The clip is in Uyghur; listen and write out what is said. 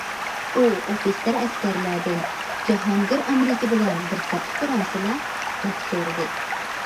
ئۇ ئوفىتسېر- ئەسكەرلەردىن،« جاھانگىر» ئامېرىكا بىلەن بىر سەپتە تۇرامسىلەر دەپ سورىدى.